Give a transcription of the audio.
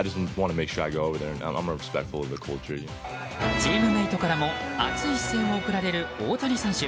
チームメートからも熱い視線を送られる大谷選手。